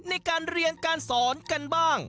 ในการเรียนการสอนกันบ้าง